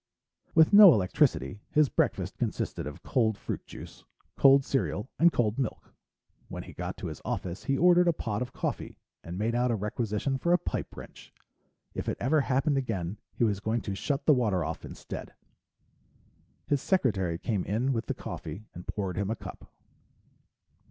With no electricity, his breakfast consisted of cold fruit juice, cold cereal, and cold milk. When he got to his office, he ordered a pot of coffee and made out a requisition for a pipe wrench. If it ever happened again, he was going to shut the water off instead. His secretary came in with the coffee and poured him a cup.